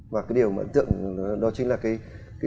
và cái điều mà ấn tượng đó chính là cái